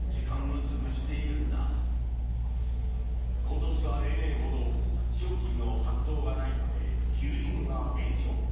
今年は例年ほど商品の発送がないため求人が減少。